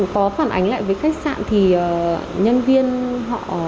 có phản ánh lại với khách sạn thì nhân viên họ nói với chúng tôi rằng là